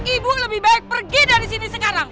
ibu lebih baik pergi dari sini sekarang